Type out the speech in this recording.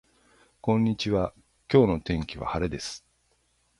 こんにちは今日の天気は晴れです